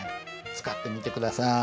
使ってみて下さい。